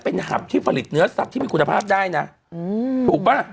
เป็นหับที่ผลิตเนื้อสัตว์ที่มีคุณภาพได้นะถูกป่ะ